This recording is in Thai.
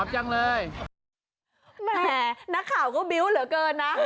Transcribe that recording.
แหมนักข่าวก็บิ้วเหลือเกินนะ